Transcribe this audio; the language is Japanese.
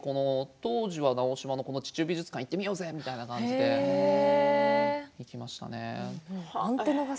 当時は、直島の地中美術館行ってみようぜみたいな感じで行きましたね。